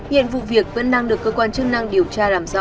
hiện vụ việc vẫn đang được cơ quan chức năng điều tra làm rõ